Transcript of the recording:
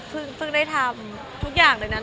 เพิ่งได้ทำทุกอย่างเลยนะ